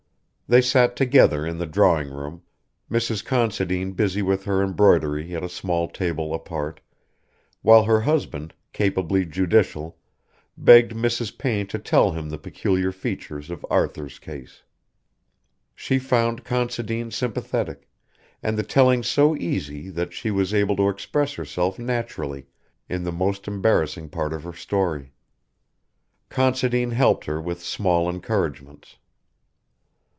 They sat together in the drawing room, Mrs. Considine busy with her embroidery at a small table apart, while her husband, capably judicial, begged Mrs. Payne to tell him the peculiar features of Arthur's case. She found Considine sympathetic, and the telling so easy that she was able to express herself naturally in the most embarrassing part of her story. Considine helped her with small encouragements.